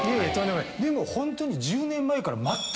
でもホントに。